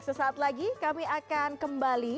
sesaat lagi kami akan kembali